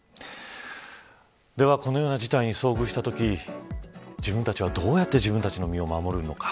では、このような事態に遭遇したとき自分たちはどうやって身を守るのか。